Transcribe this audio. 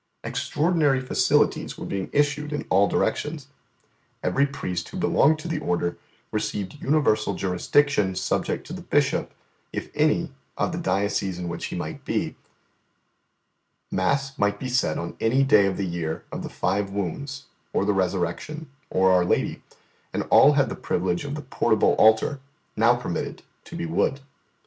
Extraordinary facilities were being issued in all directions. Every priest who belonged to the Order received universal jurisdiction subject to the bishop, if any, of the diocese in which he might be; mass might be said on any day of the year of the Five Wounds, or the Resurrection, or Our Lady; and all had the privilege of the portable altar, now permitted to be wood.